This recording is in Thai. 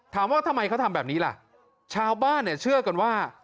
ถามว่าทำไมเขาทำแบบนี้ล่ะชาวบ้านเนี่ยเชื่อกันว่า